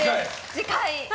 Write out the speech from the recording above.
次回。